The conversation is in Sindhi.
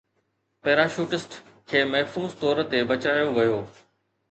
پيراشوٽسٽ کي محفوظ طور تي بچايو ويو